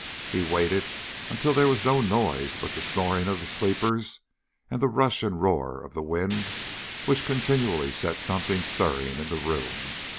He waited until there was no noise but the snoring of the sleepers and the rush and roar of the wind which continually set something stirring in the room.